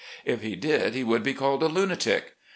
If he did he would be called a lunatic.